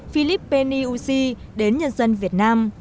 philip penny uzi đến nhân dân việt nam